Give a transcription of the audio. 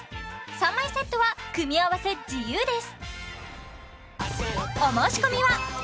３枚セットは組み合わせ自由です